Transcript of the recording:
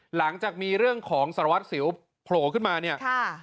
หลังจากมีเรื่องของสารวัตรสิวโผล่ขึ้นมาเนี่ยค่ะ